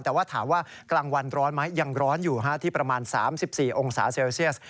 แต่ว่าถามว่ากลางวันร้อนไหมยังร้อนอยู่ที่ประมาณ๓๔องศาเซลเซียส